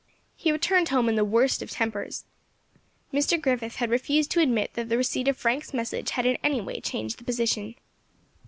He returned home in the worst of tempers. Mr. Griffith had refused to admit that the receipt of Frank's message had in any way changed the position.